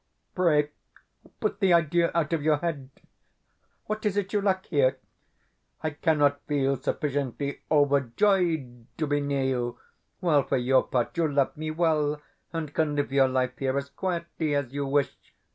Pray put the idea out of your head. What is it you lack here? I cannot feel sufficiently overjoyed to be near you, while, for your part, you love me well, and can live your life here as quietly as you wish.